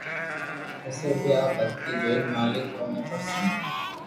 پسو اوري آ ڀگتي جوئين مالڪ اوتي پرسن